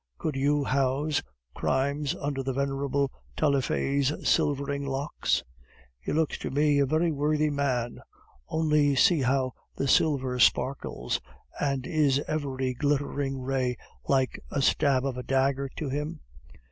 Could you house crimes under the venerable Taillefer's silvering locks? He looks to me a very worthy man. Only see how the silver sparkles, and is every glittering ray like a stab of a dagger to him?...